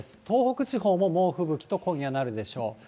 東北地方も猛吹雪と今夜なるでしょう。